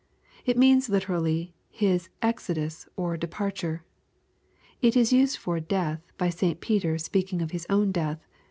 It means literally, his " Exodus" or departure. It is used for " death" by St Peter, speaking of his own death.